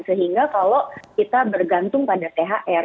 sehingga kalau kita bergantung pada thr